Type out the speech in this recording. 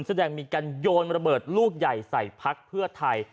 แสดงมีการโยนระเบิดลูกใหญ่ใส่พักเพื่อไทย